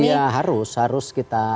iya harus harus kita